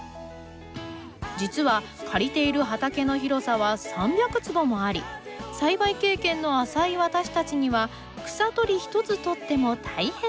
実は借りている畑の広さは３００坪もあり栽培経験の浅い私たちには草取り一つとっても大変。